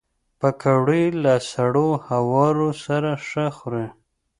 پکورې له سړو هواوو سره ښه خوري